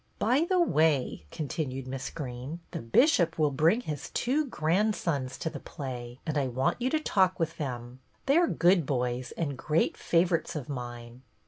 " By the way," continued Miss Greene, " the Bishop will bring his two grandsons to THE PLAY 139 the play, and I want you to talk with them. They are good boys and great favorites of mine."